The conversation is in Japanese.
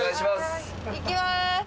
いきます。